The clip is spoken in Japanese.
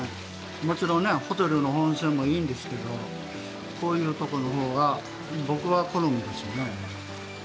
もちろんねホテルの温泉もいいんですけどこういうとこの方が僕は好みですね。